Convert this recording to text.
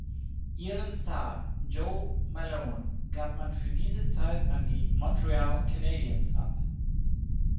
Ihren Star, Joe Malone, gab man für diese Zeit an die Montreal Canadiens ab.